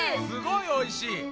すっごいおいしい！